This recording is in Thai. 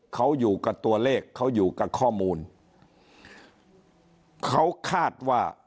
เขาอยู่กับตัวเลขเขาอยู่กับข้อมูลเขาคาดว่า